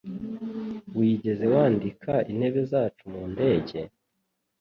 Wigeze wandika intebe zacu mu ndege?